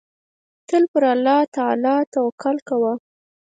تل پر الله تعالی توکل کوه.